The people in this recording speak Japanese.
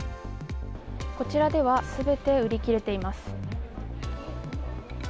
こちらでは、すべて売り切れています。